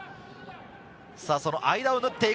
間を縫っていく。